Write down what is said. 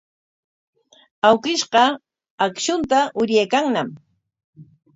Awkishqa akshunta uryaykanñam.